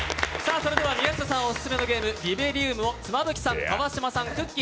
それでは宮下さんオススメゲーム、「リベリウム」を妻夫木さん、川島さん、くっきー！